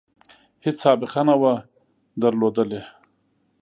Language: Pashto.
هیڅ سابقه نه وه درلودلې.